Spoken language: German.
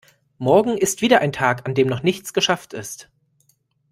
Morgen ist wieder ein Tag an dem noch nichts geschafft ist.